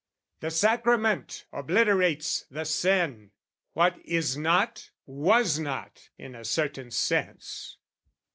The sacrament obliterates the sin: What is not, was not, in a certain sense.